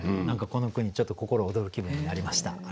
何かこの句にちょっと心躍る気分になりました。